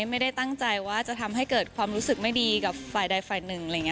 ไม่ได้ตั้งใจว่าจะทำให้เกิดความรู้สึกไม่ดีกับฝ่ายใดฝ่ายหนึ่งอะไรอย่างนี้